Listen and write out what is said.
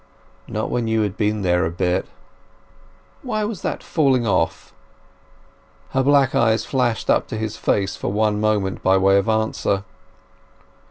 Not when you had been there a bit." "Why was that falling off?" Her black eyes flashed up to his face for one moment by way of answer.